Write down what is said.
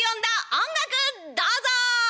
音楽どうぞ！」。